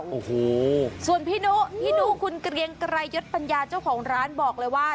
โอ้โหส่วนพี่นุพี่นุคุณเกรียงไกรยศปัญญาเจ้าของร้านบอกเลยว่า